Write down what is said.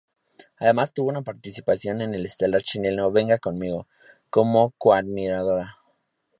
Además tuvo una participación en el estelar chileno "Venga Conmigo" como co-animadora.